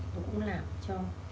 nó cũng làm cho